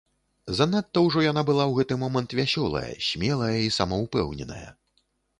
Занадта ўжо яна была ў гэты момант вясёлая, смелая і самаўпэўненая.